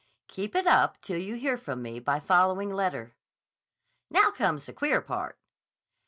'Keep it up till you hear from me by following letter.' Now comes the queer part.